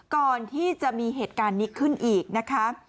ก่อนที่จะมีเหตุการณ์นี้ขึ้นอีกนะคะ